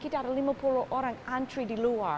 kita ada lima puluh orang antri di luar